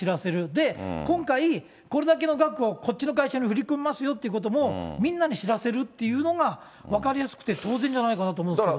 で、今回、これだけの額をこっちの会社に振り込みますよっていうことも、みんなに知らせるっていうのが、分かりやすくて当然じゃないかなと思うんですけど。